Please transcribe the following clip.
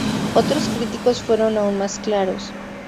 Otros críticos fueron aún más claros.